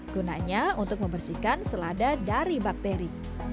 gunanya untuk membersihkan selada dari bakteri